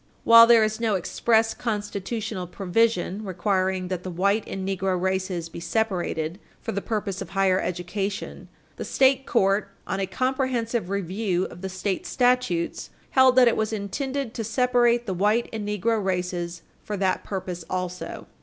While there is no express constitutional provision requiring that the white and negro races be separated for the purpose of higher education, the state court, on a comprehensive review of the state statutes, held that it was intended to separate the white and negro races for that purpose also.